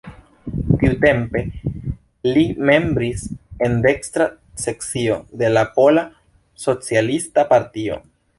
Tiutempe li membris en dekstra sekcio de la pola, socialista partio.